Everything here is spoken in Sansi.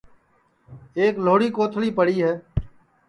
ایک لھوڑی کوتھݪی پڑی ہے